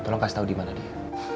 tolong kasih tau dimana dia